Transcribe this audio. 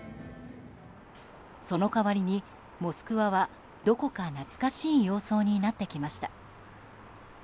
その代わりにモスクワは、どこか懐かしい様相になってきました。